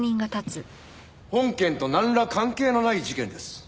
本件となんら関係のない事件です。